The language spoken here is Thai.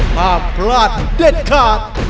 ภาพพลาดเด็ดขาด